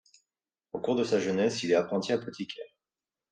Au cours de sa jeunesse, il est apprenti apothicaire.